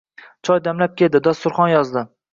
Choy damlab keldi. Dasturxon yozdi.